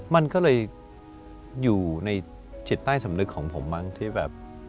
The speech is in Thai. มันก็เลยอยู่ในจิตใต้สำนึกของผมมั้งที่แบบ